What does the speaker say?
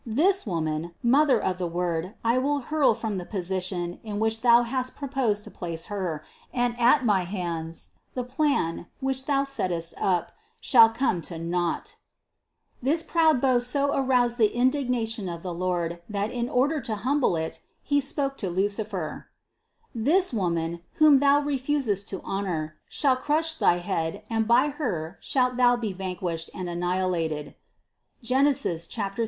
And this Woman, Mother of the Word, I will hurl from the position in which Thou hast proposed to place Her, and at my hands, the plan, which Thou settest up, shall come to naught." 92. This proud boast so aroused the indignation of the Lord that in order to humble it, He spoke to Luci fer: "This Woman, whom thou refusest to honor, shall crush thy head and by Her shalt thou be vanquished and annihilated (Gen. 3, 15).